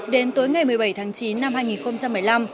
đến tối ngày một mươi bảy tháng chín năm hai nghìn một mươi năm